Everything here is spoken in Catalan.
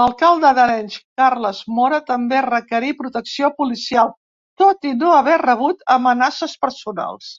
L'alcalde d'Arenys, Carles Móra, també requerí protecció policial tot i no haver rebut amenaces personals.